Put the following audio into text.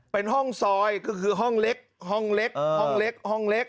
เป็นห้องซอยก็คือห้องเล็กห้องเล็กห้องเล็กห้องเล็ก